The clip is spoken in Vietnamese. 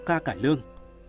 ca cải lương